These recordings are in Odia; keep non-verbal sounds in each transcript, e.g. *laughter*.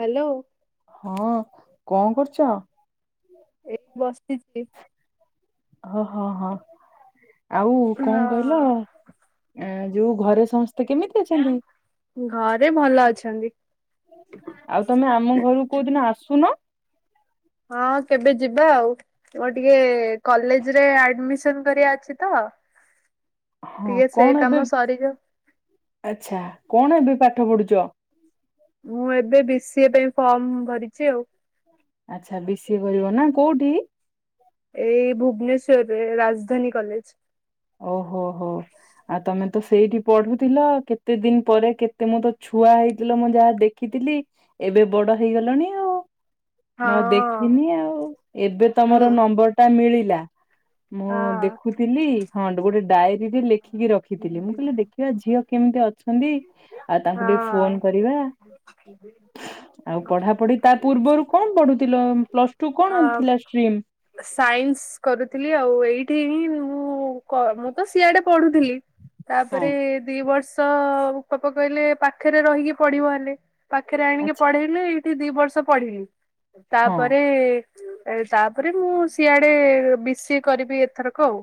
ହ୍ୟାଲୋ ହଁ କଣ କରୁଚ? ଏଇ ବସିଚି। ହଉ ହଁ ହଁ। ଆଉ କଣ କହିଲ, ହଁ। ଆଁ ଯୋଉ ଘରେ ସମସ୍ତେ କେମିତି ଅଛନ୍ତି? ଘରେ ଭଲ ଅଛନ୍ତି। ଆଉ ତମେ ଆମ ଘରକୁ କୋଉଦିନ ଆସୁନ? ହଁ କେବେ ଯିବା ଆଉ। ମୋର ଟିକେ କଲେଜରେ ଆଡମିସନ କରିଆ ଅଛି ତ ହଁ *inaudible* ହଁ ଟିକେ ସେ କଣ କାମ ଏବେ ସରିଯାଉ ଆଚ୍ଛା, କଣ ଏବେ ପାଠ ପଢୁଚ ଚ ମୁଁ ଏବେ ବି ସି ଏ ପାଇଁ ଫର୍ମ ଭରିଛି ଆଉ। ଆଚ୍ଛା। ବି ସି ଏ କରିବ ନା, କୋଉଠି? ଏଇ ଭୁବନେଶ୍ଵରରେ, ରାଜଧାନୀ କଲେଜ। ଓହୋ ହୋ। ଆଉ ତମେ ତ ସେଇଠି ପଢୁଥିଲ, କେତେ ଦିନ ପରେ କେତେ ମୁଁ ତ ଛୁଆ ହେଇଥିଲ ମୁଁ ଯାହା ଦେଖି ଥିଲି, ଏବେ ବଡ ହେଇଗଲଣି ଆଉ। ମୁଁ ଆଉ ହଁ ଦେଖିନି ଆଉ, ଏବେ ହୁଁ ତମର ନମ୍ବରଟା ମିଳିଲା। ମୋ ହଁ। ଦେଖୁଥିଲି, ହଁ ଗୋଟେ ଡାଏରୀରେ ଲେଖି ଲେଖିକି ରଖିଥିଲି। ମୁଁ କହିଲି ଦେଖିବା ଝିଅ କେମିତି ଅଛନ୍ତି? ଆଉ ହଁ। ତାଙ୍କୁ ଟିକେ ଫୋନ କରିବା *inaudible* ଆଉ ପଢାପଢି ତା ପୂର୍ବରୁ କଣ ପଢୁଥିଲ? ପ୍ଲସ ଟୁ କଣ ଅ ଥିଲା ଷ୍ଟ୍ରିମ୍? ସାଇନ୍ସ କରୁଥିଲି ଆଉ। ଏଇଠି ହିଁ ମୁଁ କ ମୁଁ ତ ସିଆଡେ ପଢୁଥିଲି ହଁ ତାପରେ ଦି ବର୍ଷ ପାପା କହିଲେ ପାଖେରେ ରହିକି ପଢିବ ହେଲେ ପାଖରେ ଆଣିକି ଆଚ୍ଛା ପଢେଇଲେ ଏଇଠି ଦି ବର୍ଷ ପଢିଲି, ହଁ ତାପରେ ତାପରେ ମୁଁ ସିଆଡେ ବି ସି ଏ କରିବି ଏଥରକ ଆଉ।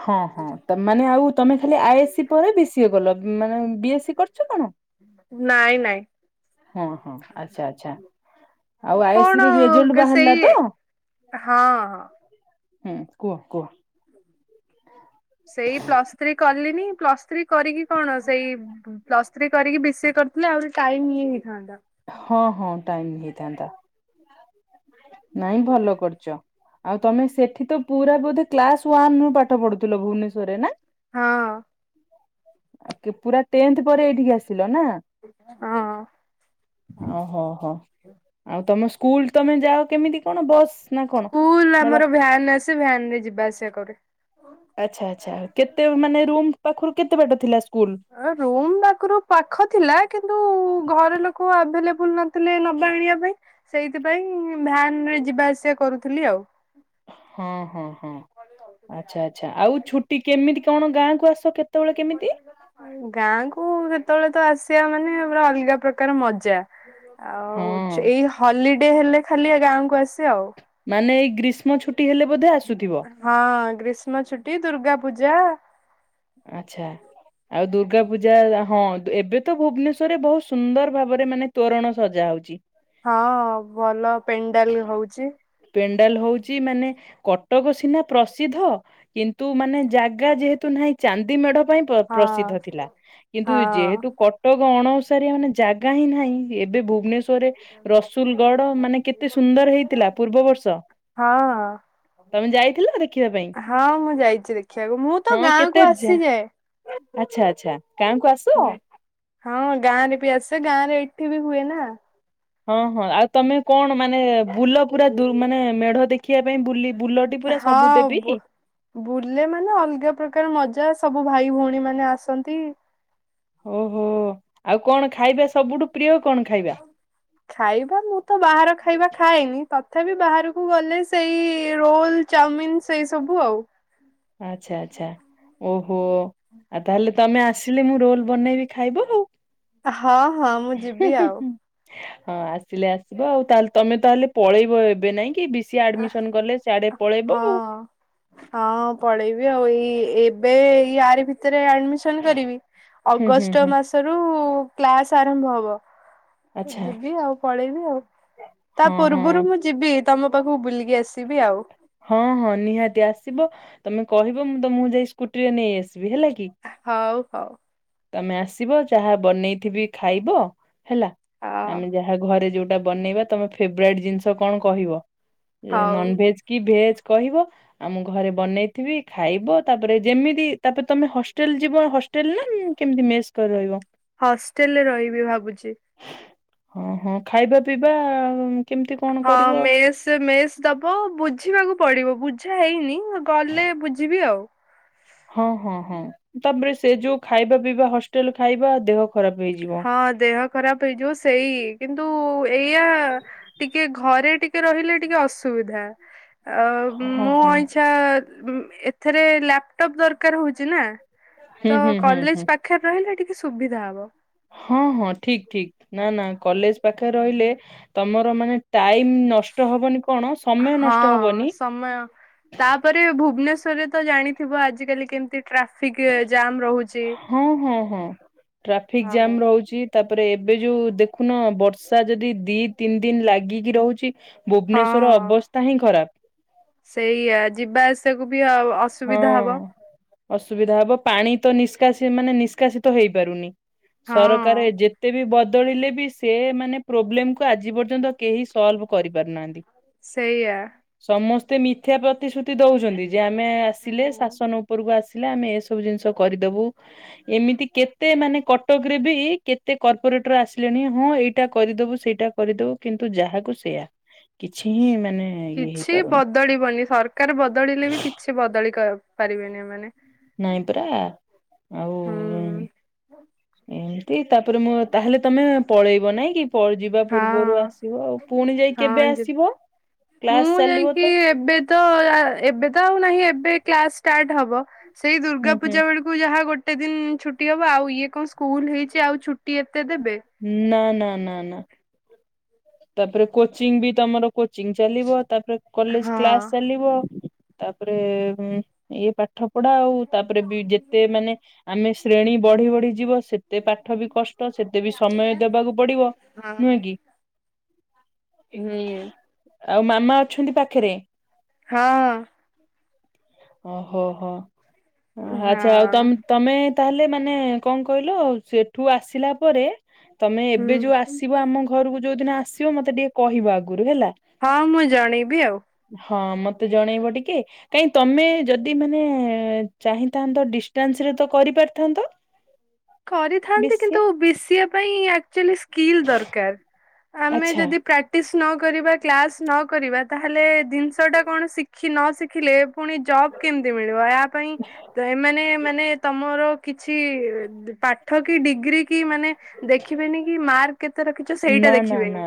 ହଁ ହଁ। ତମେ ମାନେ ଆଉ ତମେ ଖାଲି ଆ ଏ ସି ପରେ ବି ସି ଏ କଲ, ଉମ୍ ମାନେ ବି ଏସ୍ ସି କରି ଚ କଣ? ନାଇଁ ନାଇଁ ହଁ ହଁ ଆଚ୍ଛା ଆଚ୍ଛା। ଆଉ ଆ ଏ କଣ ସି ର ରେଜଲ୍ଟ ସେଇ ବାହାରିଲା ତ? ହଁ ହଁ ହୁଁ କୁହ କୁହ। ସେଇ ପ୍ଲସସ୍ ଥ୍ରୀ କଲିନି ପ୍ଲସ୍ ଥ୍ରୀ କରିକି କଣ, ସେଇ ପ୍ଲସ୍ ଥ୍ରୀ କରିକି ବି ସି ଏ କରିଥିଲେ ଆହୁରି ଟାଇମ ଇଏ ହେଇ ହଁ ହଁ ଟାଇମ ହେଇଥାନ୍ତା। ନାଇଁ ଭଲ କରୁଚ ଆଉ ତମେ ସେଠି ତ ପୁରା ବୋଧେ କ୍ଲାସ ୱାନ୍ ରୁ ପାଠ ପଢୁଥୁଲ ଭୁବନେଶ୍ୱରରେ ନା। ହଁ। ଆକେ ପୁରା ଟେନ୍ଥ ପରେ ଏଇଠିକି ଆସିଲ ନା। ହଁ। ଆହୋ ହୋ ଆଉ ତମ ସ୍କୁଲ ତମେ ଯାଅ କେମିତି କଣ ବସ୍ ନା କଣ? ସ୍କୁଲ ନବା ଆମର ଭ୍ୟାନ ଆସେ ଭ୍ୟାନରେ ଯିବା ଆସିବା କରେ। ଆଚ୍ଛା ଆଚ୍ଛା କେତେ ମାନେ ରୁମ ପାଖୁରୁ କେତେ ବାଟ ଥିଲା। ସ୍କୁଲ? ଅ ରୁମ୍ ପାଖୁରୁ ପାଖ ଥିଲା କିନ୍ତୁ ଘର ଲୋକୋ ଆଭେଲେବୁଲ ନ ଥିଲେ ନବା ଆଣିବା ପାଇଁ ସେଇଥିପାଇଁ ଭ୍ୟାନରେ ଯିବା ଆସିବା କରୁଥୁଲି ଆଉ। ହଁ ହଁ ହଁ ଆଚ୍ଛା ଆଚ୍ଛା ଆଉ ଛୁଟି କେମିତି କଣ ଗାଁକୁ ଆସୁ ଗାଁକୁ ମୁଁ ଯେ ତୋବେଳେ ତ ଆସିବା ମାନେ ପୁରା ଅଲଗା ପ୍ରକାର ମଜା। ହଁ। ଆଉଚ୍ ଏଇ ହଲିଡେ ହେଲେ ଖାଲି ଏ ଗାଁକୁ ଆସେ ଆଉ। ମାନେ ଏଇ ଗ୍ରୀଷ୍ମ ଛୁଟି ହେଲେ ବୋଧେ ଆସୁ ହଁ ଗ୍ରୀଷ୍ମ ଛୁଟି ଦୁର୍ଗା ପୂଜା। ଆଚ୍ଛା। ଆଉ ଦୁର୍ଗା ପୂଜା ଆ ହଁ ଏବେ ତ ଭୁବନେଶ୍ଵରରେ ବୋହୁତ ସୁନ୍ଦର ଭାବରେ ମାନେ ତୋରୋଣ ସଜା ହୋଉଚି। ହଁ ଭଲ ପେଣ୍ଡାଲ ହୋଉଚି। ପେଣ୍ଡାଲ ହୋଉଚି ମାନେ କଟକ ସିନା ପ୍ରସିଦ୍ଧ କିନ୍ତୁ ମାନେ ଜାଗା ଯେହେତୁ ନାହିଁ ଚାନ୍ଦି ମେଢ଼ ପାଇଁ ପ୍ର ହଁ ପ୍ରସିଦ୍ଧ ଥିଲା କିନ୍ତୁ ହଁ। ଯେହେତୁ କଟକ ଅଣଓସାରିଆ ମାନେ ଜାଗା ହିଁ ନାହିଁ। ଏବେ ଭୁବନେଶ୍ଵରରେ ରସୁଲ୍ ଗଡ଼ ମାନେ କେତେ ସୁନ୍ଦର ହେଇଥିଲା। ପୂର୍ବ ବର୍ଷ। ହଁ ତମେ ଯାଇଥିଲ ଦେଖିବା ପାଇଁ? ହଁ ମୁଁ ଯାଇଚି ଦେଖିବାକୁ ମୁଁ ତ ହଁ ଗାଁ କେତେ କୁ ଯା ଆସିଯାଏ। ଆଚ୍ଛା ଆଚ୍ଛା। ଗାଁକୁ ହୁଁ ଆସ। ହଁ ଗାଁରେ ବି ଆସେ ଗାଁ ରେ ଏଠି ବି ହୁଏ ନା। ହଁ ହଁ ଆଉ ତମେ କଣ ମାନେ ବୁଲ ପୁରା ଧୁର୍ ମାନେ ମେଢ଼ ଦେଖି ବୁଲି ବୁଲଟି ହଁ ବୋ ବୁଲେ ମାନେ ଅଲଗା ପ୍ରକାର ମଜା ସବୁ ଭାଇ ଭୋଉଣୀ ମାନେ ଆସନ୍ତି। ହୋ ହୋ ଆଉ କଣ ଖାଇବା ସବୁଠୁ ପ୍ରିୟ? କଣ ଖାଇବା ଖାଇବା ମୁଁ ତ ବାହାର ଖାଇବା ଖାଏନି ତ ଥାବି ବାହାରକୁ ଗଲେ ସେଇ ରୋଲ୍ ଚାଉମିନ୍ ସେଇ ସବୁ ଆଉ। ଆଚ୍ଛା ଆଚ୍ଛା ଓହୋ ଆ ତାହେଲେ ତମେ ଆସିଲେ ମୁଁ ରୋଲ ବନେଇବି ଖାଇବ? ଆଉ। ଅ ହଁ ହଁ ମୁଁ ହୁଁ ଯିବି ହୁଁ ଆଉ। ହୁଁ ହଁ ଆସିଲେ ଆସିବ ଆଉ ତାହେଲେ ତମେ ତାହେଲେ ପଳେଇବ ଏବେ ନାଇଁ କି ବି ସିଏ ଆଡ଼ମିଶନ୍ କଲେ ଶ୍ୟାଡେ ପଳେଇବ ଆଉ। ହଁ। ହଁ ପଳେଇବି ଆଉ ଏଇ ଏବେ ଏଇ ଆରି ଭିତେରେ ଆଡ଼ମିଶନ୍ କରିବି ହୁଁ ହୁଁ ଅଗଷ୍ଟ ହୁଁ ମାସରୁ କ୍ଲାସ ଆରମ୍ଭ ହବ। ତ ଆଚ୍ଛା ଯିବି ଆଉ ପଳେଇବି ଆଉ ତା ହଁ ହଁ ପୂର୍ବୁରୁ ମୁଁ ଯିବି। ତମ ପାଖୁକୁ ବୁଲିକି ଆସିବି ଆଉ। ହଁ ହଁ ନିହାତି ଆସିବ ତମେ କହିବ ମୁଁ ତମୁକୁ ଯାଇ ସ୍କୁଟିରେ ନେଇ ଆସି ବି ହେଲା କି? ହୋଉ। ତମେ ଆସିବ ଯାହା ବନେଇଥିବି ଖାଇବ ହେଲା ହଁ ଆମେ ଯାହା ଘରେ ଯୋଉ ଟା ବନେଇବା ତମ ଫେବ୍ରାଇଟ୍ ଜିନ୍ସ କଣ କହିବ ଯେ ହଉ। ନନ୍ ଭେଜ୍ କି ଭେଜ୍? କହିବ ଆ ମୁଁ ଘରେ ବନେଇଥିବି ଖାଇବ ତାପେରେ ଯେମିତି ତାପେରେ ତମେ ହସ୍ ଷ୍ଟେଲ ଯିବ ହଷ୍ଟେଲ ନା ଉଁ କେମିତି ମେସ୍ କରି ରହିବ ହଷ୍ଟେଲରେ ରହିବି ଭାବୁଛି ହଁ, ହଁ, ଖାଇବା ପିଇବା ଆଉ ହଁ, ମେସ୍ ମେସ୍ ଦବ ବୁଝିବାକୁ ପଡି଼ବ, ବୁଝା ହେଇନି। ମୁ ଗଲେ ବୁଝିବି ଆଉ। ହଁ, ହଁ, ହଁ, ତାପରେ ସେ ଯୋଉ ଖାଇବା, ପିଇବା ହଷ୍ଟେଲ ଖାଇବା ଦେହ ଖରାପ ହେଇଯିବ ହଁ, ଦେହ ଖରାପ ହେଇଯିବ ସେଇ କିନ୍ତୁ ଏଇଆ ଟିକେ ଘରେ ଟିକେ ରହିଲେ ଟିକେ ଅସୁବିଧା, ଆଉ ହଁ ମୋ ହଁ ଇଛା ଉମ୍ ଏଥିରେ ଲାପଟପ୍ ଦରକାର ହଉଚି ନା। ହୁଁ ତ, ହୁଁ ହୁଁ ହୁଁ କଲେଜ ପାଖରେ ରହିଲେ ଟିକେ ସୁବିଧା ହବ। ହଁ, ହଁ, ଠି଼କ ଠି଼କ ନା, ନା କଲେଜ ପାଖରେ ରହିଲେ ତମର ମାନେ ଟାଇମ ନଷ୍ଟ ହବନି କଣ ସମୟ ନଷ୍ଟ ହଁ ହବନି। ରେତରେ ତ ଜାଣିଥିବ ଆଜି କାଲି କେମିତି ଟ୍ରାଫିକ ଏ ଜାମ୍ ରହୁଚି। ଟ୍ରାଫିକ୍ ଜାମ୍ ରହୁଚି। ତାପରେ ଏବେ ଯୋଉ ଦେଖୁନ ବର୍ଷା ଯଦି ଦି ତିନି ଦିନି ଲାଗିକି ରହୁଚି। ଭୁବନେଶ୍ୱର ହଁ ଅବସ୍ଥା ହିଁ ଖରାପ। ପ୍ତା କୁ ବି ଅସୁବିଧା ହଁ। ହବ। ଅସୁବିଧା ହବ ପାଣି ତ ନିଷ୍କାସି ମାନେ ନିଷ୍କାସିତ ହେଇପାରୁନି। ସରକାର ହଁ। ଯେତେ ବି ବ ବଦଳିଲେ ବି ସେ ମାନେ ପ୍ରୋବ୍ଲେମକୁୁ ଆଜି ପର୍ଯ୍ୟନ୍ତ କେହି ସ୍ଲଭ କରି ପାରୁନାହାନ୍ତି। ସେଇଆ। ମିଥ୍ୟା ପ୍ରତିଶ୍ରୁତି ଦଉଚନ୍ତି ଯେ ଆମେ ଆସିଲେ ଶାସନ ଉପରକୁ ଆସିଲେ ଆମେ ଏସବୁ ଜିନିଷ କରିଦବୁ ଏମିତି କେତେ ମାନେ କଟ କରେ ବି କେତେ କର୍ପୋରେଟର ଆସିଲେଣି। ହଁ ଏଇଟା କରିଦବୁ ସେଇଟା କରିଦବୁ କିନ୍ତୁ ଯାହାକୁ ସେୟା କିଛି ହିଁ ମାନେ ଇଏ କିଛି ହେଇପାରୁନି ବଦଳିବନି ସରକାର ବଦଳିଲେ ବି କିଛି ବଦଳି କ ପାରିବେନି ଏମାନେ ନାଇଁ ପରା ଆଉ ହୁଁ ଏମିତି ତାପରେ ମୁଁ ତାହେଲେ ତମେ ପଳେଇବ ନାଇଁ କି ପ ଯିବା ହଁ ପୂର୍ବରୁ ଆସିବ ଆଉ। ପୁଣି ଯାଇ କେବେ ହଁ ଯି ଆସିବ? ଯିବ। ମୁଁ ଯାଇକି ଏବେ ତ ଆ ଏବେ ତ ଆଉ ନାହିଁ ଏବେ କ୍ଲାସ ଷ୍ଟାର୍ଟ ହବ ସେଇ ଦୁର୍ଗା ହୁଁ ହୁଁ ପୂଜା ବେଳକୁ ଯାହା ଗୋ ଗୋଟେ ଦିନ ଛୁଟି ହେବ ଆଉ ଇଏ କଣ ସ୍କୁଲ ହେଇଚି ଆଉ ଛୁଟି ଏତ ନା ନା ନା ନା। ତାପରେ କୋଚିଂ ବି ତମର କୋଚିଂ ଚାଲିବ, ତାପରେ କଲେଜ ହଁ କ୍ଲାସ ଚାଲିବ। ତାପରେ ଇ ପା ପାଠ ପଢା ଆଉ ତାପରେ ବି ଯେତେ ମାନେ ଆମେ ଶ୍ରେଣୀ ବଢ଼ି ବଢ଼ି ଯିବ ସେତେ ପାଠ ବି କଷ୍ ତ ସେତେ ବି ସମୟ ଦେବାକୁ ପଡିବ ନୁହେଁ କି? ହୁଁ। ଆଉ ମାମା ଅଛନ୍ତି ପାଖେରେ? ହଁ ଓହୋ ହୋ ଆଚ୍ଛା ଆଉ ହଁ ତମ ତମେ ତାହେଲେ ମାନେ କଣ କହିଲ ସେଠୁ ଆସିଲା ପରେ ତମେ ହୁଁ ଏବେ ଯୋଉ ଆସିବ ଆମ ଘରକୁ ଯୋଉ ଦିନ ଆସିବ ମତେ ଟିକେ କହିବ ଆଗରୁ ହେଲା। ହଁ ମୁଁ ଜଣେଇବି ଆଉ। ହଁ ମତେ ଜଣେଇବ ଟିକେ କାଇଁ ତମେ ଯଦି ମାନେ ଚାହିଁଥାନ୍ତ ଡିଷ୍ଟାନ୍ସ ରେ ତ କରିପାରିଥାନ୍ତ। କରିଥାନ୍ତି ବେଶୀ କିନ୍ତୁ ବିଶିଏ ପାଇଁ ଆକ୍ଚୁଆଲି ସ୍କିଲ୍ ଦରକାର। ଆମେ ଆଚ୍ଛା ଯଦି ପ୍ରାକ୍ଟିସ୍ ନ କରିବା କ୍ଲାସ୍ ନ କରିବା ତାହେଲେ ଜିନିଷଟା କଣ ଶିଖି ନ ଶିଖିଲେ ପୁଣି ଜବ କେମିତି ମିଳିବ ଏହା ପାଇଁ ଏମାନେ ମାନେ ତମର କିଛି ପାଠ କି ଡିଗ୍ରୀ କି ମାନେ ଦେଖିବେନି କି ମାର୍କ କେତେ ରଖିଚ ସେଇଟା ଦେଖିବେନି।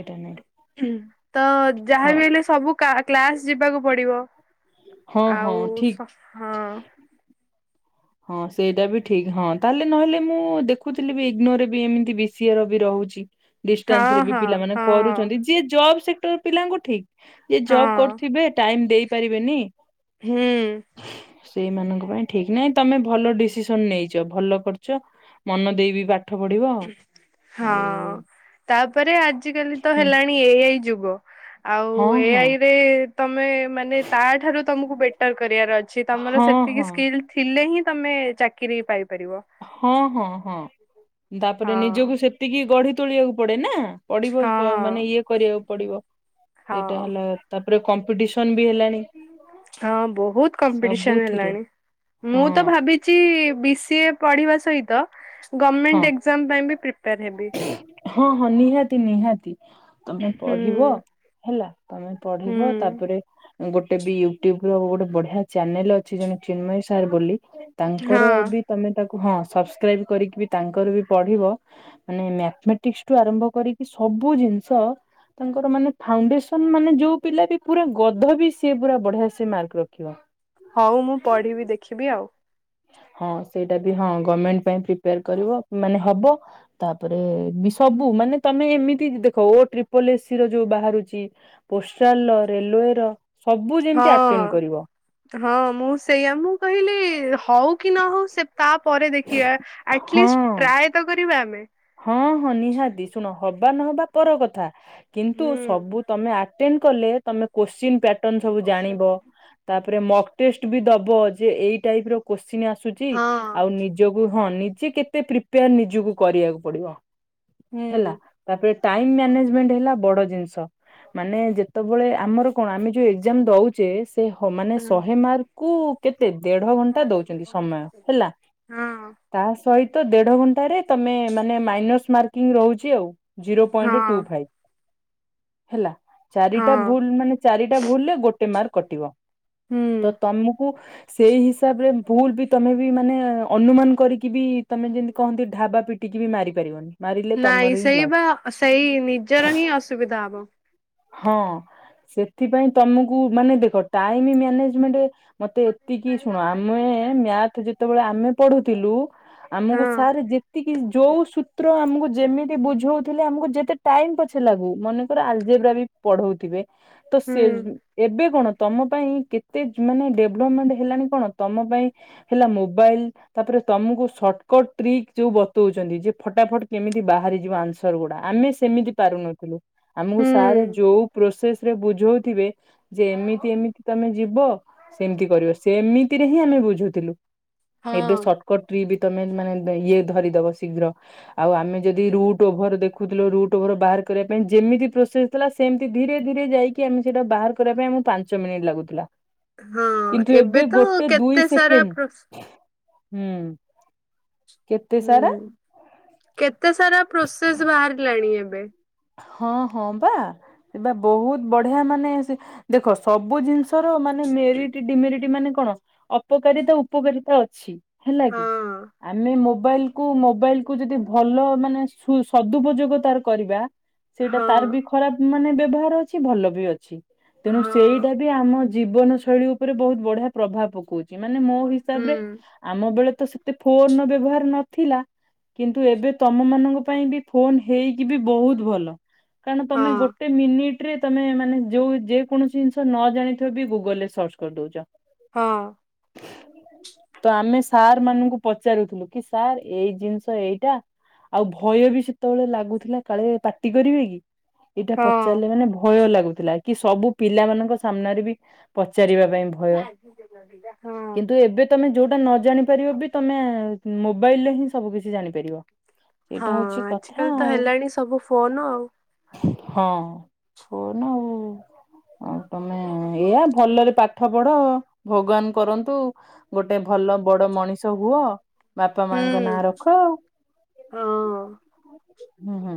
ଏଟା ନାଇଁ ତ ହଁ ଯାହାବି ହେଲେ ସବୁ କା- କ୍ଲାସ୍ ଯିବାକୁ ପଡ଼ିବ। ହଁ ହଁ ଆଉ ଠିକ ସ ହଁ ହଁ ସେଇଟା ବି ଠିକ ହଁ ତାହେଲେ ନହେଲେ ମୁଁ ଦେଖୁଥିଲି ବି ଇଗ୍ନୋର ବି ଏମିତି ବିସିିଏର ବି ରହୁଛି। ହଁ ଡିଷ୍ଟାନ୍ସ ରେ ବି ହଁ ପିଲାମାନେ ହଁ କରୁଛନ୍ତି। ଯିଏ ଜବ୍ ସେକ୍ଟର୍ ପିଲାଙ୍କୁ ଠିକ୍। ଯିଏ ହଁ ଜବ୍ କରୁଥିବେ ଟାଇମ୍ ଦେଇ ପାରିବେନି। ହୁଁ। ସେଇମାନଙ୍କ ପାଇଁ ଠିକ ନାହିଁ ତୋମେ ଭଲ ଡିସିସନ୍ ନେଇଚ। ଭଲ କରିଚ ମନ ଦେଇ ବି ପା ହଁ ତାପରେ ଆଜିିକାଲି ତ ହୁଁ। ହେଲାଣି ଏଆଇ ଯୁଗ। ଆଉ ହଁ ହଁ ଏଆଇ ରେ ତୋମେ ମାନେ ତା ଠାରୁ ତୋମକୁ ବେଟର୍ କରିବାର ଅ ଛି ତୋମର ହଁ ସେତିକି ହଁ ସ୍କିଲ୍ ଥିଲେ ହିଁ ତୋମେ ଚାକିରି ପାଇ ହଁ, ହଁ, ହଁ। ତାପରେ ହଁ ନିଜକୁ ସେତିକି ଗଢି ତୋଳିବାକୁ ପଡେ ନା। ପଡିବ ହଁ ପ-ମାନେ ଇଏ କରିବାକୁ ପଡିବ ସେଇଟା ହଁ। ହେଲା ତାପରେ କମ୍ପିଟିସନ୍। ହଁ ବହୁତ କମ୍ପିଟିସନ୍ ସବୁଥିରେ ହେଲାଣି। ମୁଁ ହଁ ତ ଭାବିଚି ବି ସି ଏ ପଢିବା ସହିତ ହଁ ଗମେଣ୍ଟ ଏକ୍ଜାମ୍ ପାଇଁ ବି ପ୍ରିପେୟାର୍ ହେବି। ହଁ, ହଁ ନିହାତି ନିହାତି ତୋମେ ହୁଁ। ପଢିବ। ହେଲା ତୋମେ ହୁଁ ପଢିବ। ତାପରେ ଗୋଟେ ବି ୟୁଟ୍ୟୁବ ର ଗୋଟେ ବଢିଆ ଚ୍ୟାନେଲ୍ ଅଛି ଜଣେ ଚିନ୍ମୟ ସାର୍ ବୋଲି ତାଙ୍କର ହଁ ବି ତୋମେ ତାକୁ ହଁ ସବସ୍କ୍ରାଇବ୍ କରିକି ବି ତାଙ୍କର ବି ପଢିବ ମାନେ ମ୍ୟାଥମେଟିକ୍ସ ଠୁ ଆରମ୍ଭ କରିକି ସବୁ ଜିନିଷ ତାଙ୍କର ମାନେ ଫାଉଣ୍ଡେସନ୍ ମାନେ ଯୋଉ ପିଲା ବି ପୁରା ଗଧ ବି ସିଏ ପୁରା ବଢିଆ ସେ ମାର୍କ ରଖିବ। ହଉ ମୁଁ ପଢିବି ଦେଖିବି ଆଉ। ହଁ ସେଇଟା ବି ହଁ ଗମେଣ୍ଟ ପାଇଁ ପ୍ରିପେୟାର୍ କରିବ ମାନେ ହବ। ତାପରେ ବି ସବୁ ମାନେ ତୋମେ ଏମିତି ଦେଖ ଓ ଟ୍ରିପଲ୍ ଏ ସି ର ଯୋଉ ବାହାରୁଚି ପୋଷ୍ଟାଲ ର ରେଲୱେ ର। ସବୁ ଯେମିତି ହଁ, ଆଟେଣ୍ଡ କରିବ ହଁ ମୁଁ ସେଇଆ ମୁଁ କହିଲି ହଉ କି ନ ହଉ ସେ ତାପରେ ଦେଖିବା ହଁ ଆଟଲିଷ୍ଟ ଟ୍ରାଏ ତ କରିବା ଆମେ। ହଁ, ହଁ ନିହାତି ଶୁଣ ହବା ନହବା ପର କଥା କିନ୍ତୁ ହୁଁ ସବୁ ତୋମେ ଆ ଟେନ୍ କଲେ ତୋମେ କୋଶ୍ଚିନ୍ ପ୍ୟାଟନ୍ ସବୁ ଜାଣିବ। ତା ତାପରେ ମକ ଟେଷ୍ଟ ବି ଦବ ଯେ ଏଇ ଟାଇପ୍ ର କୋଶ୍ଚିନ୍ ଆସୁଚି। ହଁ ଆଉ ନିଜକୁ ହଁ ନି ଯେ କେତେ ପ୍ରିପିୟାର୍ ନିଜକୁ କରିବାକୁ ପଡିବ। ହେଲା। ହୁଁ। ତାପରେ ଟାଇମ୍ ମ୍ୟାନେଜମେଣ୍ଟ ହେଲା ବଡ ଜିନିଷ। ମାନେ ଯେତେବେଳେ ଆମର କଣ ଆମେ ଯୋଉ ଏକ୍ଜାମ୍ ଦଉଚେ। ସେ ହ-ମାନେ ହଁ ଶହେ ମାର୍କକୁ ସେ ଦେଢ ଘଣ୍ଟା ଦଉଚନ୍ତି ସମୟ ହେଲା। ହଁ ତା ସହି ତ ଦେଢ ଘଣ୍ଟାରେ ତୋମେ ମାନେ ମାଇନସ୍ ମାର୍କିଂ ରହୁଚି ଆଉ। ଜିରୋ ପଏଣ୍ଟ ଟୁ ହଁ ଫାଇପ୍ ହେଲା। ଚାରିଟା ହଁ ଭୁଲ ମାନେ ଚାରିଟା ଭୁଲରେ ଗୋଟେ ମାର୍କ କଟିବ। ତ ହୁଁ ତୋମକୁ ସେଇ ହିସାବ ରେ ଭୁଲ ବି ତୋମେ ବିଷମାନେ ଅନୁମାନ କରିକି ବି ତୋମେ ଯେମିତି କହନ୍ତି ଢାବା ପିଟିକି ବି ମାରି ପାରିବନି। ମାରିଲେ ତମର ନାଇଁ ହିଁ ସେଇ ବା ଲସ୍। ସେଇ ନିଜର ହିଁ ଅସୁବିଧା ହବ। ହଁ ସେଥିପାଇଁ ତୋମକୁ ମାନେ ଦେଖ ଟାଇମ୍ ମ୍ୟାନେଜମେଣ୍ଟ ମୋତେ ଏତିକି ଶୁଣ ଆମେ ମ୍ୟାଥ୍ ଯେତେବେଳେ ଆମେ ପଢୁଥିଲୁ। ହଁ ଆମକୁ ସାର୍ ଯେତିକି ଯୋଉ ସୂତ୍ର ଆମକୁ ଯେମିତି ବୁଝଉଥିଲେ ଆମକୁ ଯେତେ ଟାଇମ୍ ପଛେ ଲାଗୁ। ମନେକର ଆଲଜେଗ୍ରାବି ପଢଉଥିବେ। ତ ହୁଁ ସେ ଏବେ କଣ? ତୋମ ପାଇଁ କେତେ ମାନେ ଡେଭଲପମେଣ୍ଟ ହେଲାଣି କଣ ତୋମ ପାଇଁ ହେଲା ମୋବାଇଲ୍। ତାପରେ ତୋମକୁ ସର୍ଟକଟ ଟ୍ରିକ୍ ଯୋଉ ବତଉଛନ୍ତି ଯେ ଫଟାଫଟ କେମିତି ବାହାରିଯିବ ଆନ୍ସର ଗୁଡା। ଆମେ ସେ ସେମିତି ପାରୁନଥିଲୁ ଆମକୁ ସାର୍ ହୁଁ। ଯୋଉ ପ୍ରୋସେସ ରେ ବୁଝଉଥିବେ ଯେ ଏମିତି ଏମିତି ତମେ ଯିବ ସେମିତି କରିବ ସେମିତିରେ ହିଁ ଆମେ ବୁଝୁଥିଲୁ। ଏବେ ହଁ ସର୍ଟକଟ ଟ୍ରି ତମେ ମାନେ ଇଏ ଧରିଦବ ଶୀଘ୍ର ଆଉ ଆମେ ଯଦି ରୁଟ୍ ଓଭର ଦେଖୁଥିଲୁ ରୁଟ୍ ଓଭର ବାହାର କରିବା ପାଇଁ ଯେମିତି ପ୍ରୋସେସ ଥିଲା ସେମିତି ଧୀରେ ଧୀରେ ଯାଇକି ଆମେ ସେଇଟା ବାହାର କରିବା ପାଇଁ ଆମକୁ ପାଞ୍ଚ ମିନିଟ୍ ଲାଗୁଥିଲା। ହଁ କିନ୍ତୁ ଏବେ ତ ଗୋଟେ ଦୁଇ କେତେ ସାରା ପ୍ରୋସ୍ ସେକେଣ୍ଡ। ହୁଁ। କେତେ ହୁଁ ସାରା କେତେ ସାରା ପ୍ରୋସେସ ବାହାରିଲାଣି ଏବେ। ହଁ ହଁ ବା ଏ ବା ବହୁତ ବଢିଆ ମାନେ ସେ ଦେଖ ସବୁ ଜିନିଷ ମାନେ ମେରିଟ ଡିମେରିଟ ମାନେ କଣ ଅପକାରିତା ଉପକାରିତା ଅଛି। ହେଲା କି ହଁ ଆମେ ମୋ ମୋବାଇଲକୁ ମୋବାଇଲକୁ ଯଦି ଭଲ ମାନେ ସୁ ସଦୁପଯୋଗ ତାର କରିବା ସେଇଟା ହଁ। ତାର ବି ଖରାପ ମାନେ ବ୍ୟବହାର ଅଛି ଭଲ ବି ଅଛି ତେଣୁ ହଁ ସେଇଟା ବି ଆମ ଜୀବନ ଶୈଳୀ ଉପରେ ବହୁତ ବଢିଆ ପ୍ରଭାବ ପକଉଛି ମାନେ ମୋ ହୁଁ ହିସାବରେ ଆମ ବେଳେ ତ ସେତେ ଫୋନର ବ୍ୟବହାର ନଥିଲା। କିନ୍ତୁ ଏବେ ତମ ମାନଙ୍କ ପାଇଁ ବି ଫୋନ ହେଇକି ବି ବହୁତ ଭଲ କାରଣ ତମେ ହଁ ଗୋଟେ ମିନିଟ ରେ ତମେ ମାନେ ଯୋଉ ଯେ କୌଣସି ଜିନିଷ ନ ଜାଣିଥିବ ବି ଗୁଗଲ ରେ ସର୍ଚ୍ଚ କରିଦଉଛ। ହଁ। ତ ଆମେ ସାର୍ ମାନଙ୍କୁ ପଚାରୁଥିଲୁ କି ସାର୍ ଏଇ ଜିନିଷ ଏଇଟା ଆଉ ଭୟ ବି ସେତେବେଳେ ଲାଗୁଥିଲା କାଳେ ପାଟି କରିବେ କି ଏଇଟା ହଁ। ପଚାରିଲେ ମାନେ ଭୟ ଲାଗୁ ଥିଲା କି ସବୁ ପିଲା ମାନଙ୍କ ସାମ୍ନାରେ ବି ପଚାରିବା ପା ଭୟ ହଁ କିନ୍ତୁ ଏବେ ତମେ ଯୋଉଟା ନ ଜାଣି ପାରିବ ବି ତମେ ମୋବାଇଲ ରେ ହିଁ ସବୁ କିିଛି ଜାଣିପାରିବ। ସେଇଟା ହଁ ହଉଛି କଥା ଆଜିକାଲି ତ ଆଉ। ହେଲାଣି ସବୁ ଫୋନ ଆଉ। ହଁ ଫୋନ ଆଉ ତମେ ଏଇଆ ଭଲରେ ପାଠ ପଢ ଅ ଭଗବାନ କରନ୍ତୁ ଗୋଟେ ଭଲ ବଡ ମଣିଷ ହୁଅ ବାପା ମାଙ୍କ ହୁଁ। ନାଁ ରଖ ଆଉ। ହଁ। ହୁଁ ହୁଁ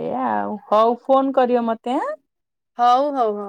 ଏଇୟା ଆଉ ହଉ ଫୋନ କରିବ ମତେ ଆଁ। ହଉ ହଉ ହଉ।